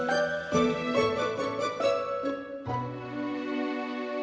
hukuman yang akan kita tanggung atas diri kita sendiri